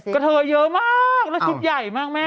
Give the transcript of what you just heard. กระเทย์เยอะมากแล้วขวยอย่างใหญ่มากแม่